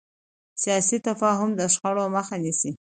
سیاسي تفاهم د شخړو مخه نیسي